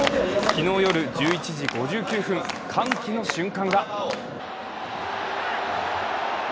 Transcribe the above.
昨日夜１１時５９分、歓喜の瞬間が。